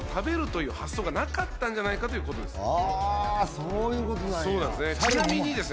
そういうことなんやちなみにですね・